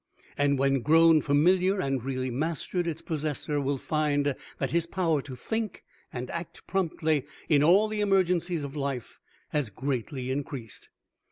And when grown familiar and really mastered its possessor will find that his power to think and act promptly in all the emergencies of life has greatly increased.